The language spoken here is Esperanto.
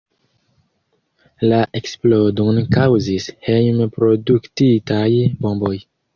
La eksplodon kaŭzis hejm-produktitaj bomboj.